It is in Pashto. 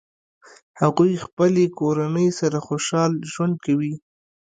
هغوی خپلې کورنۍ سره خوشحال ژوند کوي